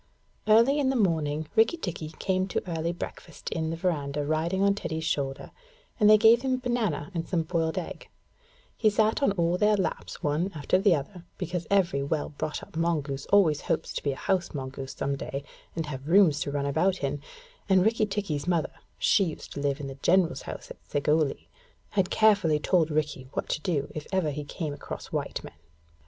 Early in the morning Rikki tikki came to early breakfast in the verandah riding on Teddy's shoulder, and they gave him banana and some boiled egg; and he sat on all their laps one after the other, because every well brought up mongoose always hopes to be a house mongoose some day and have rooms to run about in, and Rikki tikki's mother (she used to live in the General's house at Segowlee) had carefully told Rikki what to do if ever he came across white men.